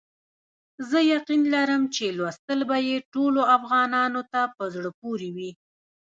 زه یقین لرم چې لوستل به یې ټولو افغانانو ته په زړه پوري وي.